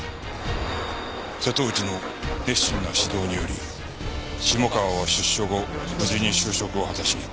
瀬戸内の熱心な指導により下川は出所後無事に就職を果たし